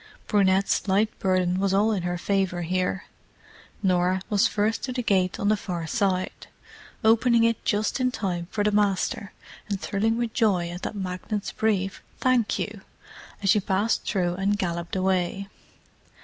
Brunette's light burden was all in her favour here—Norah was first to the gate on the far side, opening it just in time for the "Master," and thrilling with joy at that magnate's brief "Thank you!" as she passed through and galloped away.